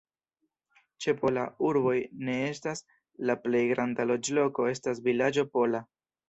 Ĉe Pola urboj ne estas, la plej granda loĝloko estas vilaĝo Pola.